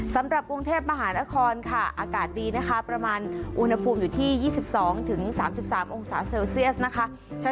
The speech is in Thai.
สำหรับกรุงเทพมหานครค่ะอากาศดีนะคะประมาณอุณหภูมิอยู่ที่๒๒๓๓องศาเซลเซียสนะคะ